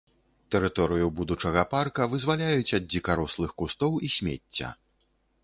Тэрыторыю будучага парка вызваляюць ад дзікарослых кустоў і смецця.